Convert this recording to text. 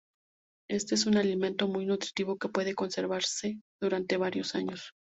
Este es un alimento muy nutritivo que puede conservarse durante varios años.